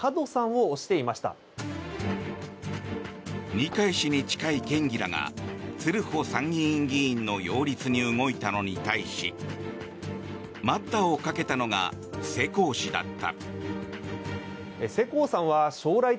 二階氏に近い県議らが鶴保参院議員の擁立に動いたのに対し待ったをかけたのが世耕氏だった。